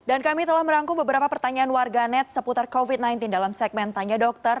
dan kami telah merangkul beberapa pertanyaan warga net seputar covid sembilan belas dalam segmen tanya dokter